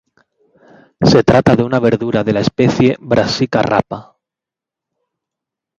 Se trata de una verdura de la especie "Brassica rapa".